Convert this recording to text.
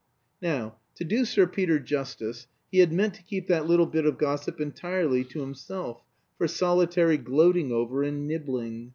Now, to do Sir Peter justice, he had meant to keep that little bit of gossip entirely to himself, for solitary gloating over and nibbling.